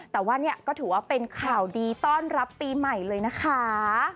แต่ว่าเนี่ยก็ถือว่าเป็นข่าวดีต้อนรับปีใหม่เลยนะคะ